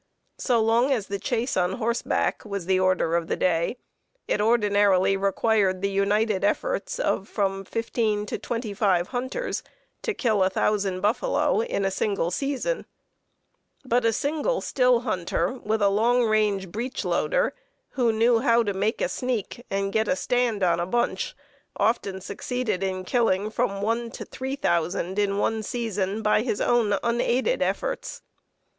So long as the chase on horseback was the order of the day, it ordinarily required the united efforts of from fifteen to twenty five hunters to kill a thousand buffalo in a single season; but a single still hunter, with a long range breech loader, who knew how to make a "sneak" and get "a stand on a bunch," often succeeded in killing from one to three thousand in one season by his own unaided efforts.